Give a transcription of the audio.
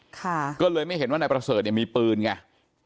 ก็เลยไม่เห็นว่านายประเสริฐเนี่ยมีปืนไง